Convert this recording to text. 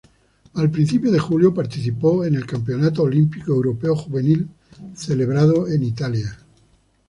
A principios de julio participó en el Campeonato Olímpico Europeo Juvenil celebrado en Italia.